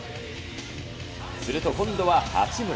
すると今度は八村。